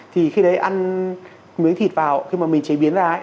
thì khi đấy ăn miếng thịt vào khi mà mình chế biến ra ấy